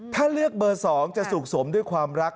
ถ้าเลือกเบอร์๒จะสุขสมด้วยความรัก